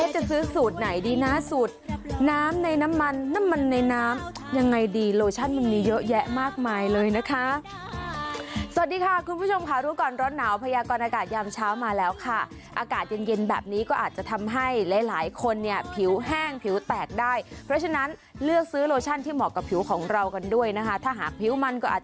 จะซื้อสูตรไหนดีนะสูตรน้ำในน้ำมันน้ำมันในน้ำยังไงดีโลชั่นมันมีเยอะแยะมากมายเลยนะคะสวัสดีค่ะคุณผู้ชมค่ะรู้ก่อนร้อนหนาวพยากรอากาศยามเช้ามาแล้วค่ะอากาศเย็นเย็นแบบนี้ก็อาจจะทำให้หลายหลายคนเนี่ยผิวแห้งผิวแตกได้เพราะฉะนั้นเลือกซื้อโลชั่นที่เหมาะกับผิวของเรากันด้วยนะคะถ้าหากผิวมันก็อาจจะ